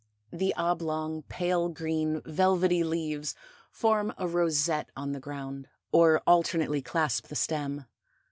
The oblong, pale green, velvety leaves form a rosette on the ground or alternately clasp the stem.